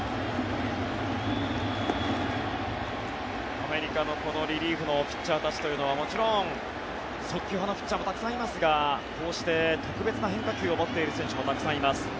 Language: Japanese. アメリカのこのリリーフのピッチャーたちというのはもちろん速球派のピッチャーたちもたくさんいますがこうして特別な変化球を持っている選手もたくさんいます。